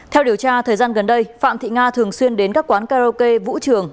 theo điều tra thời gian gần đây phạm thị nga thường xuyên đến các quán karaoke vũ trường